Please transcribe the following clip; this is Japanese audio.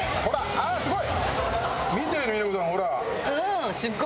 あっすごい！